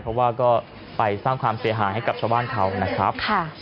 เพราะว่าก็ไปสร้างความเสียหายให้กับชาวบ้านเขานะครับ